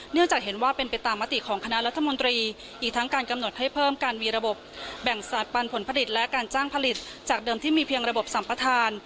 จากเห็นว่าเป็นไปตามมติของคณะรัฐมนตรีอีกทั้งการกำหนดให้เพิ่มการมีระบบแบ่งปันผลผลิตและการจ้างผลิตจากเดิมที่มีเพียงระบบสัมปทาน